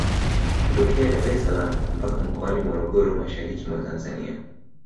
Kutokea Dar es salaam mpaka Mkoani Morogoro mashariki mwa Tanzania